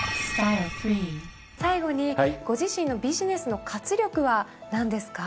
最後にご自身のビジネスの活力は何ですか？